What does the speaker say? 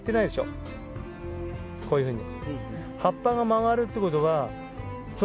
こういうふうに。